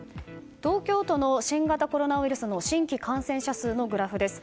東京都の新型コロナウイルスの新規感染者数のグラフです。